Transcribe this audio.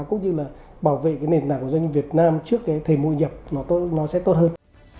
cũng như là bảo vệ cái nền tảng của doanh nghiệp việt nam trước cái thề mô nhập nó sẽ tốt hơn